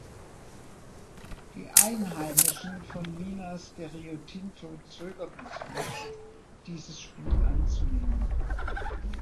Die Einheimischen von Minas de Riotinto zögerten zunächst, dieses Spiel anzunehmen.